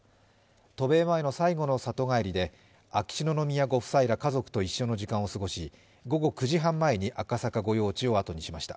渡米前の最後の里帰りで秋篠宮ご夫妻ら家族と一緒の時間を過ごし、午後９時半前に赤坂御用地を後にしました。